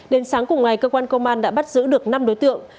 đến sáng cùng ngày cơ quan công an đã bắt giữ được năm đối tượng